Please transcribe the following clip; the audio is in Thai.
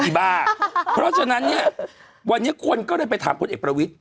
เพราะฉะนั้นเนี่ยวันนี้คนก็เลยไปถามพลเอกประวิทธิ